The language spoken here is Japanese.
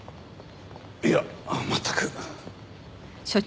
いや全く。